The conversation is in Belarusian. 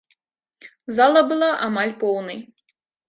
Зала была амаль поўнай.